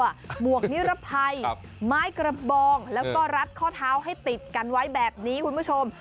หมวกนิรภัยไม้กระบองแล้วก็รัดข้อเท้าให้ติดกันไว้แบบนี้คุณผู้ชม